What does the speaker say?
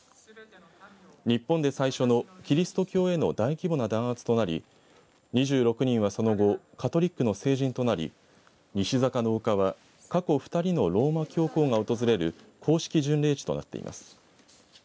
日本で最初のキリスト教への大規模な弾圧となり２６人はその後カトリックの聖人となり西坂の丘は過去２人のローマ教皇が訪れる公式巡礼地となっています。